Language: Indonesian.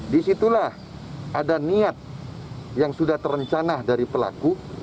disitulah ada niat yang sudah terencana dari pelaku